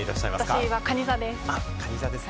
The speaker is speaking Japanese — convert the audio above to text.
私は、かに座です。